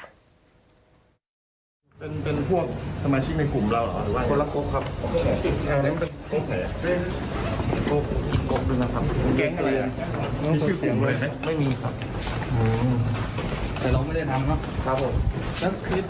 ของทุมดอตรีธวัตชัยพงวิวัตชัยนะคะ